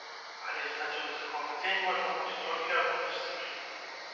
Але здаць у рэзервовы дзень можна будзе толькі адну дысцыпліну.